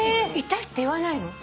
痛いって言わないの？